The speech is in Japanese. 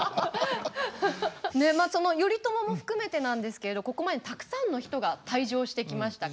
その頼朝も含めてなんですけれどここまでたくさんの人が退場してきました